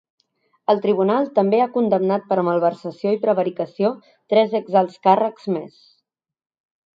El tribunal també ha condemnat per malversació i prevaricació tres ex-alts càrrecs més.